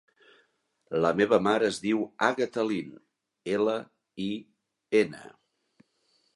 La meva mare es diu Àgata Lin: ela, i, ena.